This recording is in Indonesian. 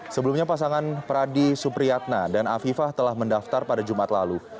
sebelumnya pasangan pradi supriyatna dan afifah telah mendaftar pada jumat lalu